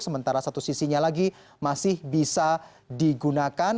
sementara satu sisinya lagi masih bisa digunakan